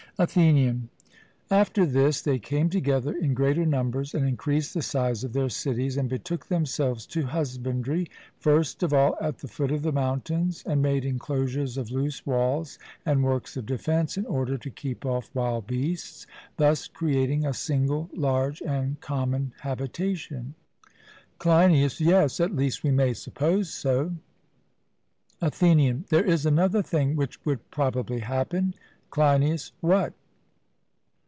ATHENIAN: After this they came together in greater numbers, and increased the size of their cities, and betook themselves to husbandry, first of all at the foot of the mountains, and made enclosures of loose walls and works of defence, in order to keep off wild beasts; thus creating a single large and common habitation. CLEINIAS: Yes; at least we may suppose so. ATHENIAN: There is another thing which would probably happen. CLEINIAS: What?